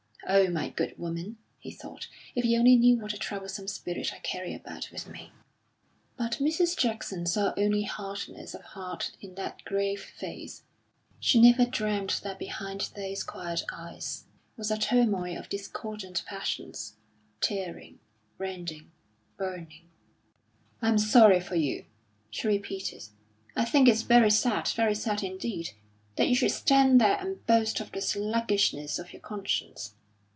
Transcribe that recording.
"Oh, my good woman," he thought, "if you only knew what a troublesome spirit I carry about with me!" But Mrs. Jackson saw only hardness of heart in the grave face; she never dreamed that behind those quiet eyes was a turmoil of discordant passions, tearing, rending, burning. "I'm sorry for you," she repeated. "I think it's very sad, very sad indeed, that you should stand there and boast of the sluggishness of your conscience.